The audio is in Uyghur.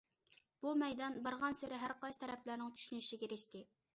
بۇ مەيدان بارغانسېرى ھەر قايسى تەرەپلەرنىڭ چۈشىنىشىگە ئېرىشتى.